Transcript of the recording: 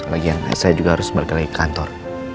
lagian saya juga harus balik lagi ke kantor